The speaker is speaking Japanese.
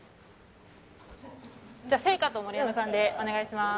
じゃあ星夏と盛山さんでお願いします。